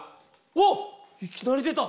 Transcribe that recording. わっいきなり出た！